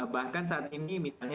bahkan saat ini misalnya